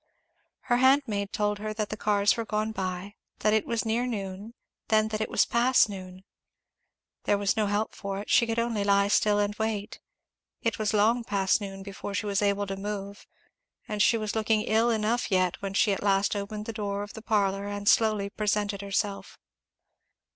Her handmaid told her that the cars were gone by that it was near noon then that it was past noon. There was no help for it; she could only lie still and wait; it was long past noon before she was able to move; and she was looking ill enough yet when she at last opened the door of the parlour and slowly presented herself.